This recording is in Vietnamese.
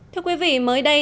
thưa quý vị mới đây